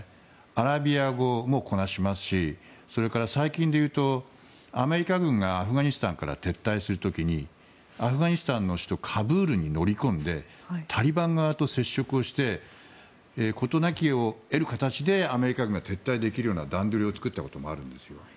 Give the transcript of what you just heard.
アラビア語もこなしますしそれから最近でいうとアメリカ軍がアフガニスタンから撤退する時にアフガニスタンの首都カブールに乗り込んでタリバン側と接触して事なきを得る形でアメリカ軍が撤退できるような段取りを作ったこともあるんですよ。